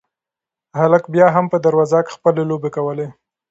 هلک بیا هم په دروازه کې خپلې لوبې کولې.